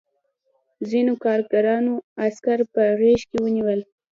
ځینو کارګرانو عسکر په غېږ کې ونیول